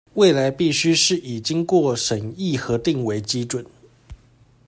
未來必須是以經過審議核定為基準